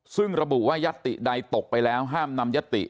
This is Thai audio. ซึ่งระบุว่ายัตติใดตกไปแล้วห้ามนำยติ